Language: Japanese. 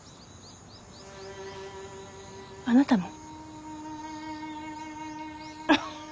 あなたも？